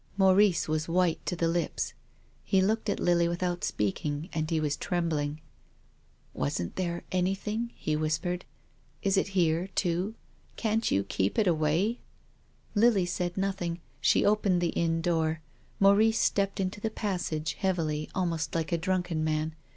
Maurice was white to the lips. He looked at Lily without speaking, and he was trembling. " Wasn't there anything ?" he whispered. " Is it here too ? Can't you keep it away ?" THE LIVING CHILD. 23 I Lily said nothing. She opened the inn door. Maurice stepped into the passage, heavily, almost like a drunken man.